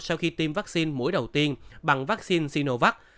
sau khi tiêm vaccine mũi đầu tiên bằng vaccine sinovac